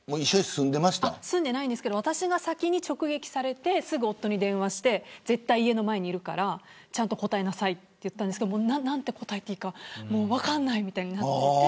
住んでいなかったんですけど私が先に直撃されてすぐ夫に電話して絶対に家の前にいるからちゃんと答えなさいと言ったんですけど何て言っていいか分からないとなってて。